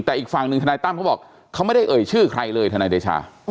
แต่อีกฝั่งหนึ่งทนายตั้มเขาบอกเขาไม่ได้เอ่ยชื่อใครเลยทนายเดชา